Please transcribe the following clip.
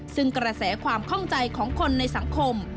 ซึ่งกระแสความข้องใจของคนในสังคม